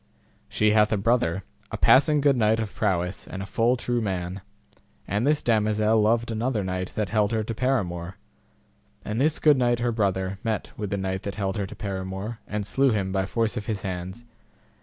She hath a brother, a passing good knight of prowess and a full true man; and this damosel loved another knight that held her to paramour, and this good knight her brother met with the knight that held her to paramour, and slew him by force of his hands.